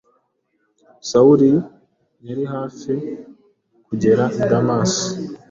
Sawuli yari hafi kugera i Damasi